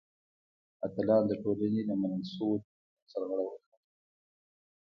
اتلان د ټولنې له منل شویو دودونو سرغړونه کوي.